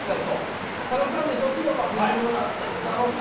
ただ単にそっちの方が本物なんだろって。